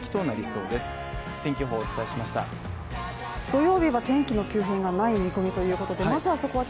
土曜日は天気の急変がない見込みということでまずはそこは